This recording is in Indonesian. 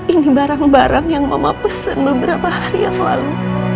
ini barang barang yang mama pesen beberapa hari yang lalu